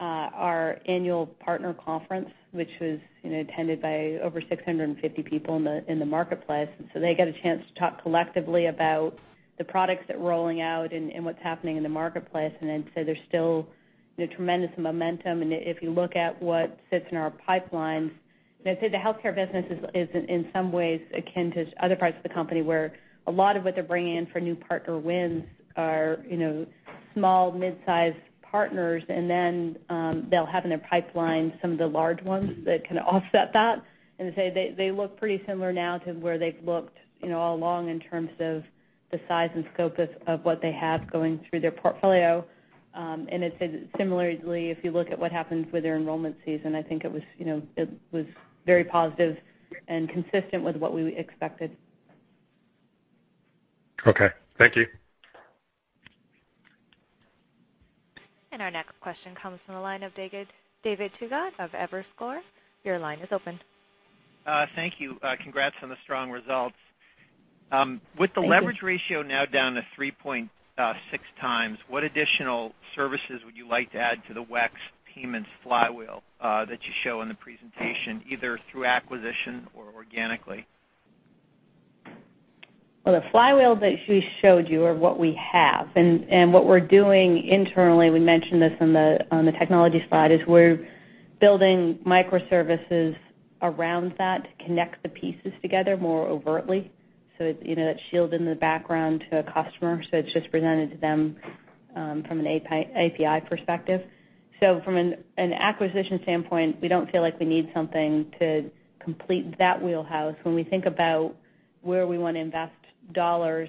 our annual partner conference, which was attended by over 650 people in the marketplace. They got a chance to talk collectively about the products that rolling out and what's happening in the marketplace. I'd say there's still tremendous momentum. If you look at what sits in our pipeline, I'd say the healthcare business is in some ways akin to other parts of the company where a lot of what they're bringing in for new partner wins are small, mid-size partners. They'll have in their pipeline some of the large ones that can offset that. I'd say they look pretty similar now to where they've looked all along in terms of the size and scope of what they have going through their portfolio. Similarly, if you look at what happened with their enrollment season, I think it was very positive and consistent with what we expected. Okay. Thank you. Our next question comes from the line of David Togut of Evercore. Your line is open. Thank you. Congrats on the strong results. Thank you. With the leverage ratio now down to 3.6 times, what additional services would you like to add to the WEX payments flywheel that you show in the presentation, either through acquisition or organically? Well, the flywheel that we showed you are what we have. What we're doing internally, we mentioned this on the technology slide, is we're building microservices around that to connect the pieces together more overtly. It's shielded in the background to a customer, so it's just presented to them from an API perspective. From an acquisition standpoint, we don't feel like we need something to complete that wheelhouse. When we think about where we want to invest dollars,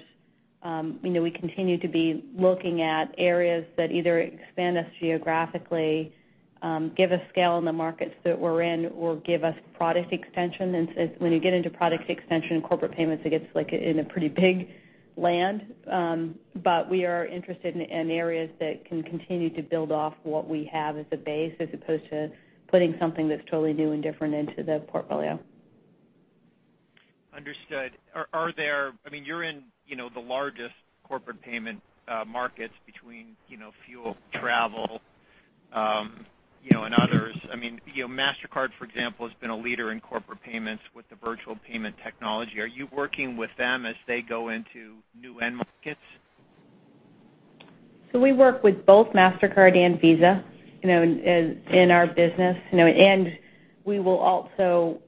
we continue to be looking at areas that either expand us geographically, give us scale in the markets that we're in, or give us product extension. When you get into product extension in corporate payments, it gets in a pretty big land. We are interested in areas that can continue to build off what we have as a base, as opposed to putting something that's totally new and different into the portfolio. Understood. You're in the largest corporate payment markets between fuel, travel, and others. Mastercard, for example, has been a leader in corporate payments with the virtual payment technology. Are you working with them as they go into new end markets? We work with both Mastercard and Visa in our business. We will also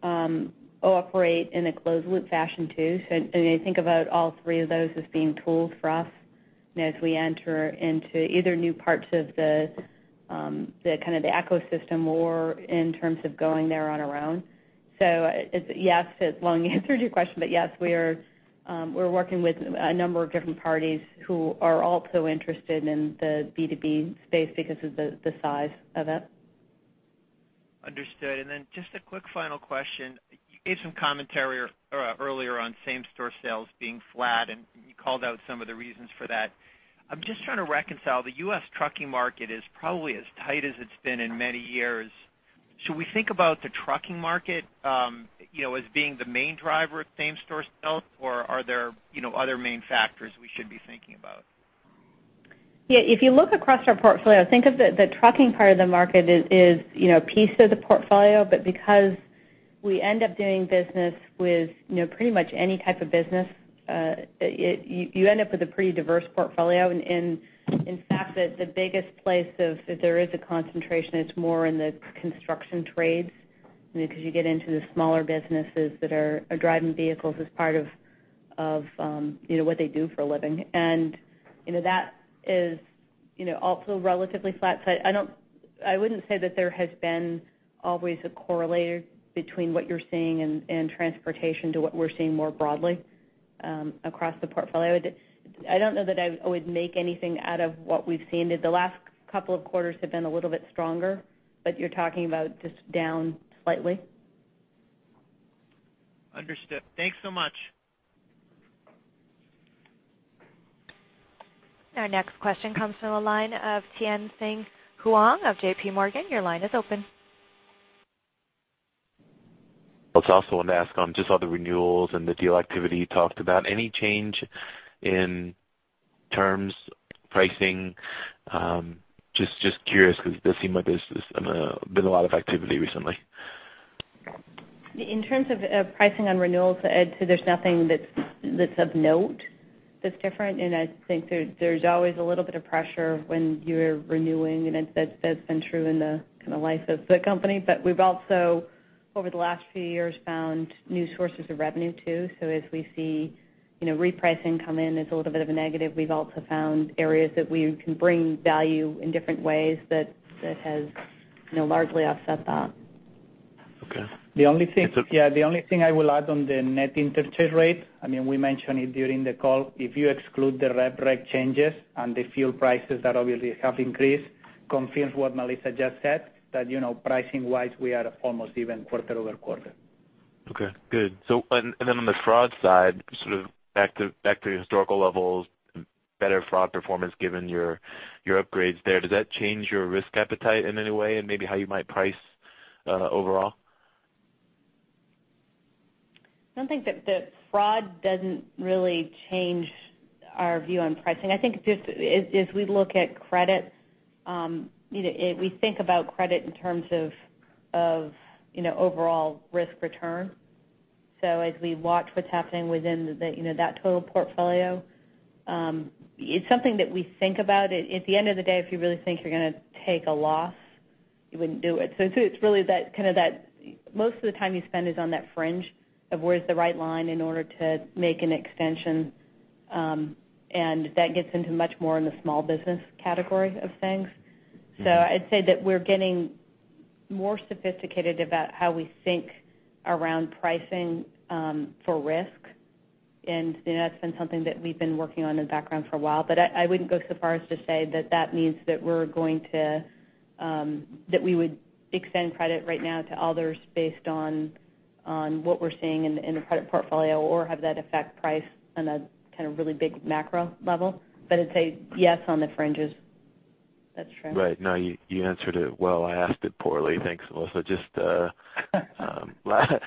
operate in a closed loop fashion too. I think about all three of those as being tools for us as we enter into either new parts of the ecosystem or in terms of going there on our own. Yes, long answer to your question, but yes, we're working with a number of different parties who are also interested in the B2B space because of the size of it. Understood. Then just a quick final question. You gave some commentary earlier on same-store sales being flat, and you called out some of the reasons for that. I'm just trying to reconcile, the U.S. trucking market is probably as tight as it's been in many years. Should we think about the trucking market as being the main driver of same-store sales, or are there other main factors we should be thinking about? If you look across our portfolio, think of the trucking part of the market as a piece of the portfolio. Because we end up doing business with pretty much any type of business, you end up with a pretty diverse portfolio. In fact, the biggest place, if there is a concentration, it's more in the construction trades because you get into the smaller businesses that are driving vehicles as part of what they do for a living. That is also relatively flat. I wouldn't say that there has been always a correlate between what you're seeing in transportation to what we're seeing more broadly across the portfolio. I don't know that I would make anything out of what we've seen. The last couple of quarters have been a little bit stronger, but you're talking about just down slightly. Understood. Thanks so much. Our next question comes from the line of Tien-Tsin Huang of JPMorgan. Your line is open. I also wanted to ask on just all the renewals and the deal activity you talked about. Any change in terms, pricing? Just curious because it does seem like there's been a lot of activity recently. In terms of pricing on renewals, Tien-Tsin, there's nothing that's of note that's different. I think there's always a little bit of pressure when you're renewing, and that's been true in the life of the company. We've also, over the last few years, found new sources of revenue too. As we see repricing come in as a little bit of a negative, we've also found areas that we can bring value in different ways that has largely offset that. Okay. The only thing I will add on the net interchange rate, we mentioned it during the call. If you exclude the rep rate changes and the fuel prices that obviously have increased, confirms what Melissa just said, that pricing-wise, we are almost even quarter-over-quarter. Okay, good. On the fraud side, back to historical levels, better fraud performance given your upgrades there. Does that change your risk appetite in any way and maybe how you might price overall? I don't think that fraud doesn't really change our view on pricing. I think as we look at credit, we think about credit in terms of overall risk return. As we watch what's happening within that total portfolio, it's something that we think about. At the end of the day, if you really think you're going to take a loss, you wouldn't do it. Most of the time you spend is on that fringe of where's the right line in order to make an extension, and that gets into much more in the small business category of things. I'd say that we're getting more sophisticated about how we think around pricing for risk, and that's been something that we've been working on in the background for a while. I wouldn't go so far as to say that means that we would extend credit right now to others based on what we're seeing in the credit portfolio or have that affect price on a really big macro level. I'd say yes on the fringes. That's true. Right. No, you answered it well. I asked it poorly. Thanks, Melissa. Just last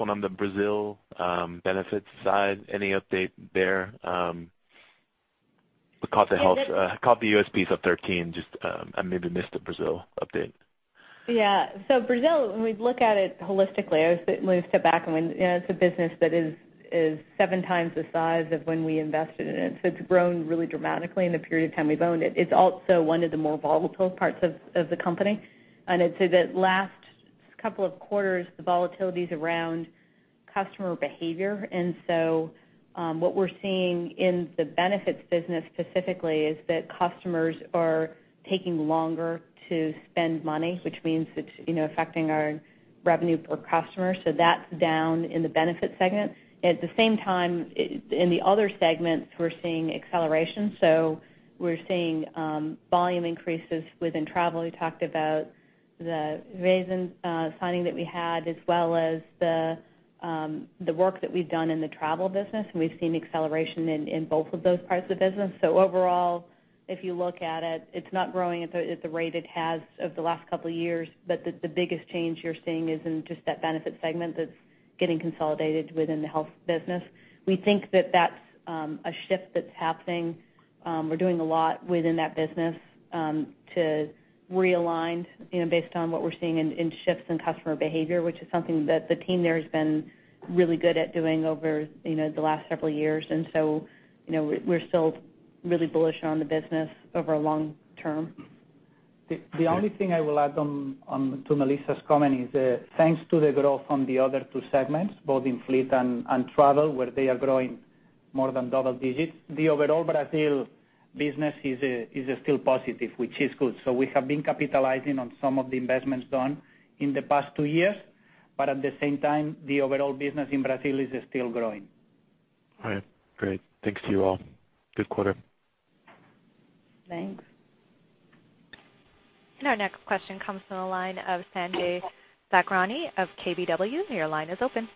one on the Brazil benefits side. Any update there? Caught the [USP's] up 13, I maybe missed the Brazil update. Brazil, when we look at it holistically, I always step back and it's a business that is 7 times the size of when we invested in it. It's grown really dramatically in the period of time we've owned it. It's also one of the more volatile parts of the company. I'd say that last couple of quarters, the volatility's around customer behavior. What we're seeing in the benefits business specifically is that customers are taking longer to spend money, which means it's affecting our revenue per customer. That's down in the benefit segment. At the same time, in the other segments, we're seeing acceleration. We're seeing volume increases within travel. We talked about the Raízen signing that we had, as well as the work that we've done in the travel business, we've seen acceleration in both of those parts of the business. Overall, if you look at it's not growing at the rate it has over the last couple of years. The biggest change you're seeing is in just that benefit segment that's getting consolidated within the WEX Health business. We think that that's a shift that's happening. We're doing a lot within that business to realign based on what we're seeing in shifts in customer behavior, which is something that the team there has been really good at doing over the last several years. We're still really bullish on the business over long-term. The only thing I will add on to Melissa's comment is, thanks to the growth from the other two segments, both in fleet and travel, where they are growing more than double digits. The overall Brazil business is still positive, which is good. We have been capitalizing on some of the investments done in the past two years, but at the same time, the overall business in Brazil is still growing. All right, great. Thanks to you all. Good quarter. Thanks. Our next question comes from the line of Sanjay Sakhrani of KBW. Your line is open.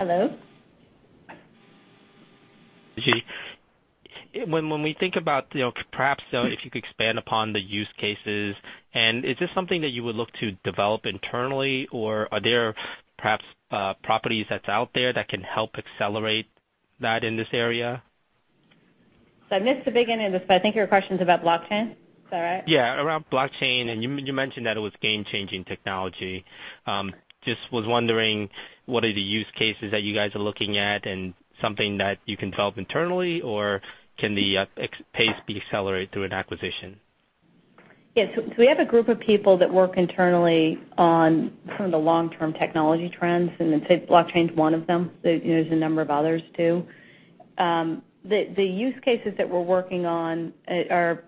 Hello? When we think about perhaps if you could expand upon the use cases, and is this something that you would look to develop internally or are there perhaps properties that's out there that can help accelerate that in this area? I missed the beginning of this, but I think your question's about blockchain. Is that right? Yeah, around blockchain, and you mentioned that it was game-changing technology. Just was wondering, what are the use cases that you guys are looking at and something that you can develop internally or can the pace be accelerated through an acquisition? We have a group of people that work internally on some of the long-term technology trends, then say blockchain's one of them. There's a number of others, too. The use cases that we're working on are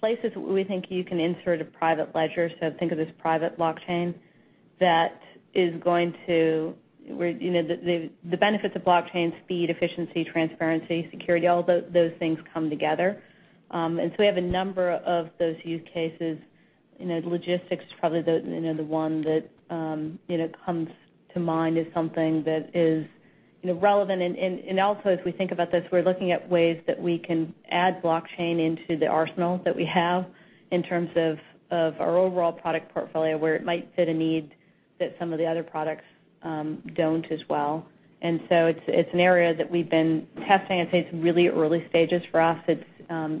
places we think you can insert a private ledger. Think of this private blockchain that is going to the benefits of blockchain, speed, efficiency, transparency, security, all those things come together. We have a number of those use cases. Logistics is probably the one that comes to mind as something that is relevant. Also, as we think about this, we're looking at ways that we can add blockchain into the arsenal that we have in terms of our overall product portfolio, where it might fit a need that some of the other products don't as well. It's an area that we've been testing. I'd say it's really early stages for us. It's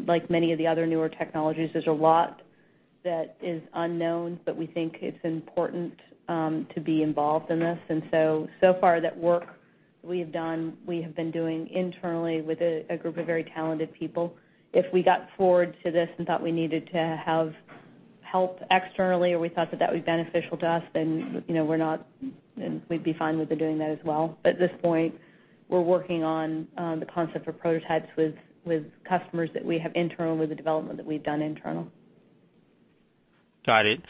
like many of the other newer technologies. There's a lot that is unknown, we think it's important to be involved in this. So far that work we have done, we have been doing internally with a group of very talented people. If we got forward to this and thought we needed to have help externally or we thought that that would be beneficial to us, we'd be fine with doing that as well. At this point, we're working on the concept for prototypes with customers that we have internal, with the development that we've done internal. Got it.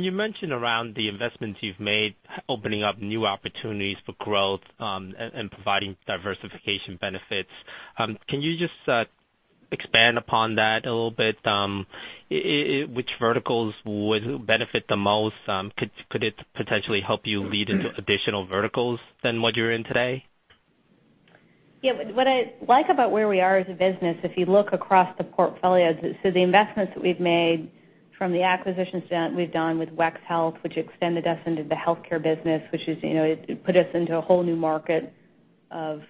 You mentioned around the investments you've made, opening up new opportunities for growth, and providing diversification benefits. Can you just expand upon that a little bit? Which verticals would benefit the most? Could it potentially help you lead into additional verticals than what you're in today? What I like about where we are as a business, if you look across the portfolio, the investments that we've made from the acquisitions that we've done with WEX Health, which extended us into the healthcare business, which put us into a whole new market of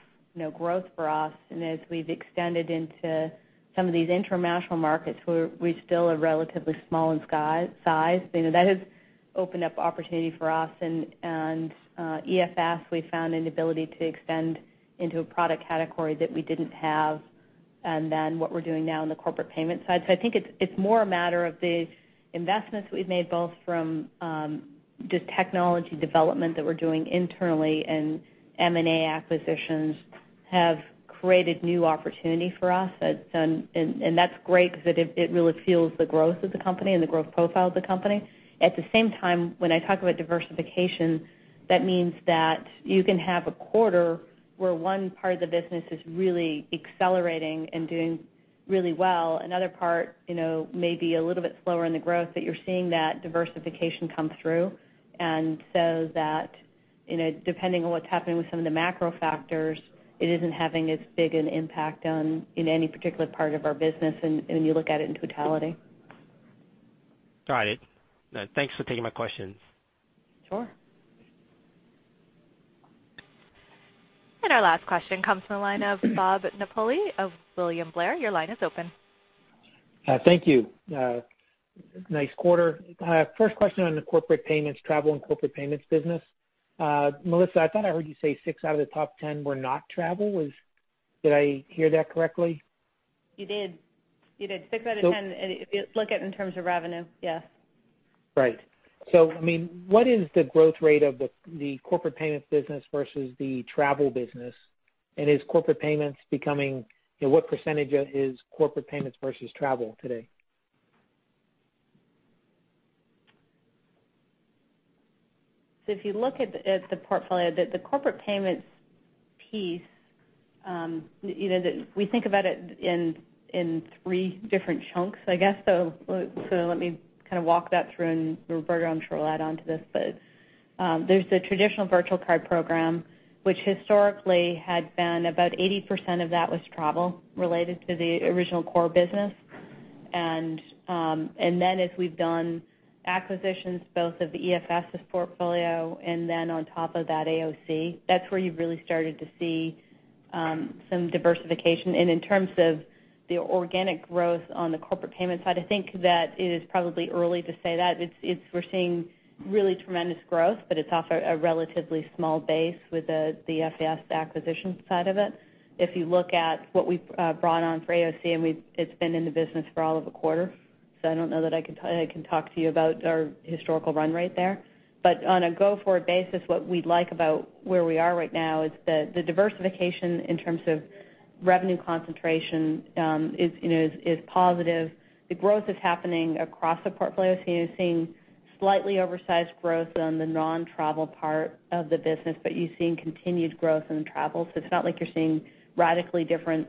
growth for us. As we've extended into some of these international markets, we still are relatively small in size. That has opened up opportunity for us. EFS, we found an ability to extend into a product category that we didn't have, what we're doing now on the corporate payment side. I think it's more a matter of the investments we've made, both from just technology development that we're doing internally and M&A acquisitions have created new opportunity for us. That's great because it really fuels the growth of the company and the growth profile of the company. At the same time, when I talk about diversification, that means that you can have a quarter where one part of the business is really accelerating and doing really well. Another part may be a little bit slower in the growth, but you're seeing that diversification come through. That, depending on what's happening with some of the macro factors, it isn't having as big an impact in any particular part of our business when you look at it in totality. Got it. Thanks for taking my questions. Sure. Our last question comes from the line of Robert Napoli of William Blair. Your line is open. Thank you. Nice quarter. First question on the corporate payments, travel and corporate payments business. Melissa, I thought I heard you say six out of the top 10 were not travel. Did I hear that correctly? You did. 6 out of 10, if you look at in terms of revenue, yeah. Right. What is the growth rate of the corporate payments business versus the travel business? What % is corporate payments versus travel today? If you look at the portfolio, the corporate payments piece, we think about it in three different chunks, I guess. Let me kind of walk that through, and Roberto, I'm sure, will add onto this. There's the traditional Virtual Card program, which historically had been about 80% of that was travel related to the original core business. As we've done acquisitions both of the EFS's portfolio and then on top of that, AOC, that's where you've really started to see some diversification. In terms of the organic growth on the corporate payment side, I think that it is probably early to say that. We're seeing really tremendous growth, but it's also a relatively small base with the EFS acquisition side of it. If you look at what we've brought on for AOC, and it's been in the business for all of a quarter, so I don't know that I can talk to you about our historical run rate there. On a go-forward basis, what we like about where we are right now is the diversification in terms of revenue concentration is positive. The growth is happening across the portfolio. You're seeing slightly oversized growth on the non-travel part of the business, but you're seeing continued growth in travel. It's not like you're seeing radically different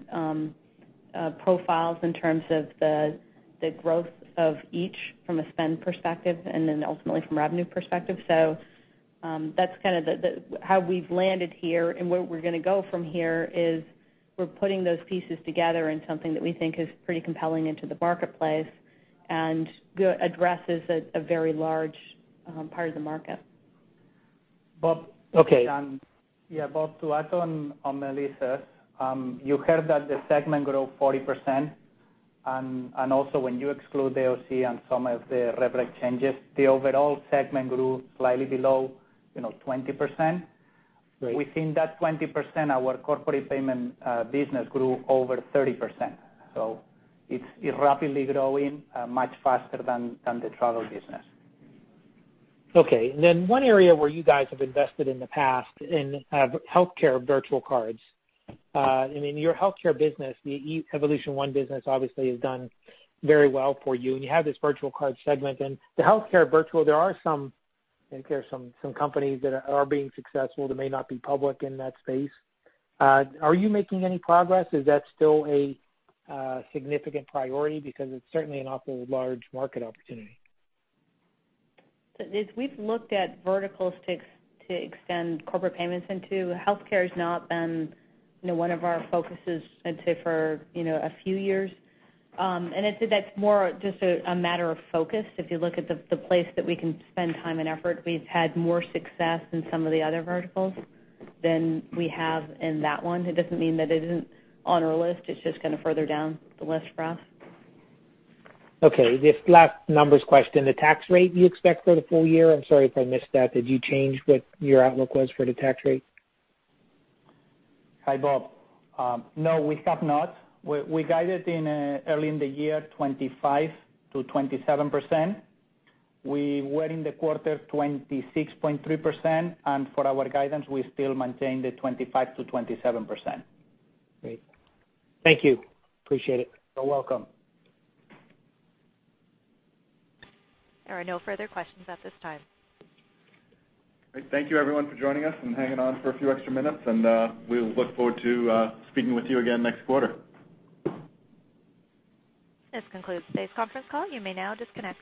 profiles in terms of the growth of each from a spend perspective and then ultimately from revenue perspective. That's kind of how we've landed here and where we're going to go from here is we're putting those pieces together in something that we think is pretty compelling into the marketplace and addresses a very large part of the market. Bob. Okay. Bob, to add on Melissa, you heard that the segment grew 40%. Also when you exclude the OC and some of the rev rec changes, the overall segment grew slightly below 20%. Right. Within that 20%, our corporate payment business grew over 30%. It's rapidly growing much faster than the travel business. One area where you guys have invested in the past in healthcare virtual cards. In your healthcare business, the Evolution1 business obviously has done very well for you, and you have this virtual card segment. The healthcare virtual, there are some companies that are being successful that may not be public in that space. Are you making any progress? Is that still a significant priority because it's certainly an awfully large market opportunity. We've looked at verticals to extend corporate payments into. Healthcare has not been one of our focuses, I'd say, for a few years. That's more just a matter of focus. If you look at the place that we can spend time and effort, we've had more success in some of the other verticals than we have in that one. It doesn't mean that it isn't on our list. It's just kind of further down the list for us. Okay. Just last numbers question. The tax rate you expect for the full year, I'm sorry if I missed that. Did you change what your outlook was for the tax rate? Hi, Bob. No, we have not. We guided early in the year 25%-27%. We were in the quarter 26.3%. For our guidance, we still maintain the 25%-27%. Great. Thank you. Appreciate it. You're welcome. There are no further questions at this time. Great. Thank you everyone for joining us and hanging on for a few extra minutes. We look forward to speaking with you again next quarter. This concludes today's conference call. You may now disconnect.